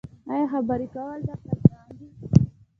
ایا خبرې کول درته ګران دي؟